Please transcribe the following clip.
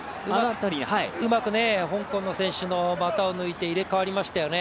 うまく香港の選手の股を抜いて入れ代わりましたよね。